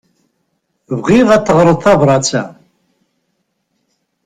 Bɣiɣ ad teɣṛeḍ tabrat-a.